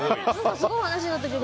すごい話だったけど。